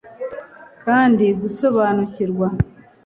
kandi gusobanukirwa